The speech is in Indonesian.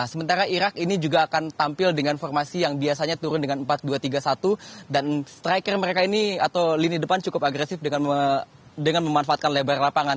sementara irak ini juga akan tampil dengan formasi yang biasanya turun dengan empat dua tiga satu dan striker mereka ini atau lini depan cukup agresif dengan memanfaatkan lebar lapangan